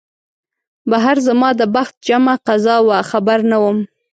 بهر زما د بخت جمعه قضا وه خبر نه وم